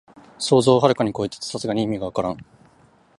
想像をはるかにこえてて、さすがに意味がわからん